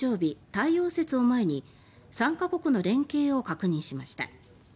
太陽節を前に３か国の連携を確認しました。